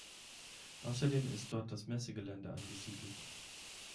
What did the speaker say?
Außerdem ist dort das Messegelände angesiedelt.